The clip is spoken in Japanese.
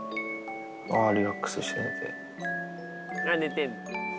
ああ、リラックスして、寝て。